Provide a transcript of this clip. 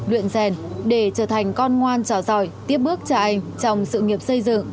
luyện rèn để trở thành con ngoan trò giỏi tiếp bước chạy trong sự nghiệp xây dựng